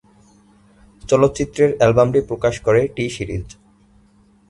চলচ্চিত্রের অ্যালবামটি প্রকাশ করে টি-সিরিজ।